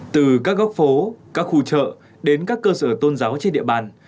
từ các góc phố các khu chợ đến các cơ sở tôn giáo trên địa bàn